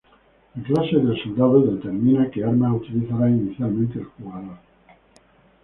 La clase del soldado determina que armas utilizará inicialmente el jugador.